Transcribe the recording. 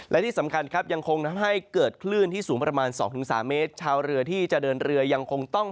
และที่สำคัญครับยังคงทำให้เกิดคลื่นที่สูงประมาณ๒๓เมตรชาวเรือที่จะเดินเรือยังคงต้อง